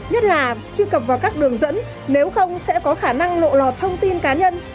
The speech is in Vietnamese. nhất là truy cập vào các đường dẫn nếu không sẽ có khả năng lộ lọt thông tin cá nhân